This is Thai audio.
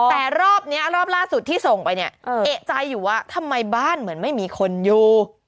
แต่รอบนี้รอบล่าสุดที่ส่งไปเนี่ยเอกใจอยู่ว่าทำไมบ้านเหมือนไม่มีคนอยู่